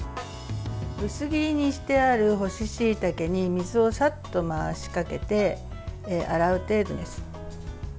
薄切りにしてある干ししいたけに水をさっと回しかけて洗う程度です。